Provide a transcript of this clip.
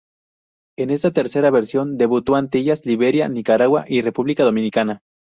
En esta tercera versión debutó Antillas, Liberia, Nicaragua y República Dominicana.